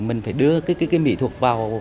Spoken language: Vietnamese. mình phải đưa cái mỹ thuật vào